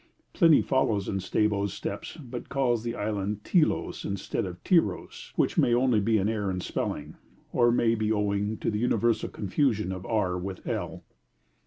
Pliny follows in Strabo's steps, but calls the island Tylos instead of Tyros, which may be only an error in spelling, or may be owing to the universal confusion of r with l.